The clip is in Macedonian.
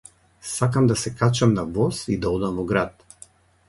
Сакам да се качам на воз и да одам во град.